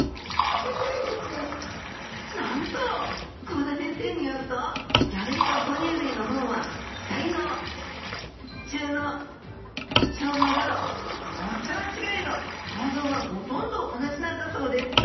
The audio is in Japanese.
幸田先生によると魚類と哺乳類の脳は大脳中脳小脳など大きさはちがえど構造はほとんど同じなんだそうです！